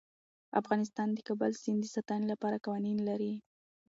افغانستان د د کابل سیند د ساتنې لپاره قوانین لري.